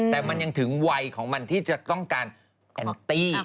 แต่มันยังถึงวัยของมันที่จะต้องการแอนตี้